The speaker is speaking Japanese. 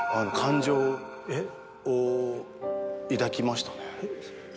を抱きましたね。